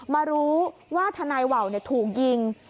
มารู้ว่าทนายว่าวถูกยิง